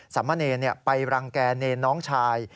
สามเณรไปรังแก่เนรน้องชาย